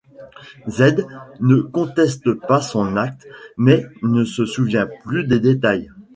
Z ne conteste pas son acte mais ne se souvient plus des détails.